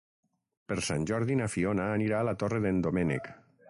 Per Sant Jordi na Fiona anirà a la Torre d'en Doménec.